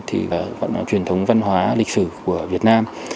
thì gọi là truyền thống văn hóa lịch sử của việt nam